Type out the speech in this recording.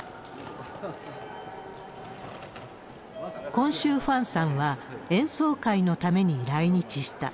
今週、ファンさんは演奏会のために来日した。